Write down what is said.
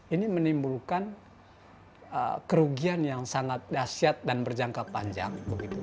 ini menimbulkan kerugian yang sangat dahsyat dan berjangka panjang